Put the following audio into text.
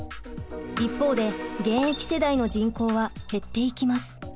一方で現役世代の人口は減っていきます。